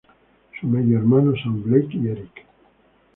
Sus medio-hermanos son Blake, y Eric.